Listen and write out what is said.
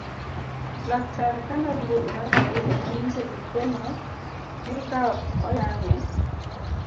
laktar kane oduogo mar ariyo nonyiso Likono ni ka ok oyang'e